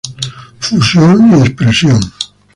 Fusión y Expresión.